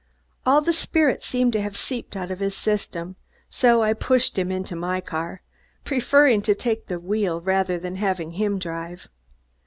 All the spirit seemed to have seeped out of his system, so I pushed him into my car, preferring to take the wheel rather than have him drive.